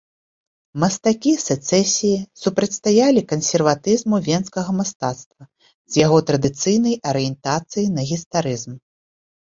Мастакі сэцэсіі супрацьстаялі кансерватызму венскага мастацтва з яго традыцыйнай арыентацыяй на гістарызм.